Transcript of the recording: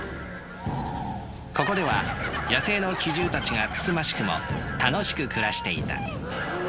ここでは野生の奇獣たちがつつましくも楽しく暮らしていた。